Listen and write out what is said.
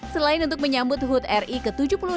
selain untuk menyambut hud ri ke tujuh puluh enam